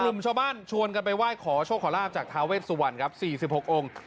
ชาวบ้านชวนกันไปไหว้ขอโชคขอลาบจากทาเวสวรรณครับ๔๖องค์